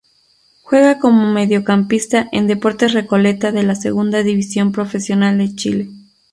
Juega como mediocampista en Deportes Recoleta de la Segunda División Profesional de Chile.